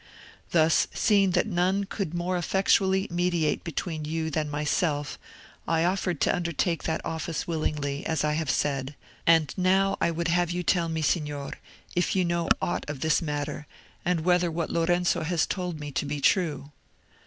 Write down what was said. Thus, seeing that none could more effectually mediate between you than myself, I offered to undertake that office willingly, as I have said; and now I would have you tell me, Signor, if you know aught of this matter, and whether what Lorenzo has told me be true."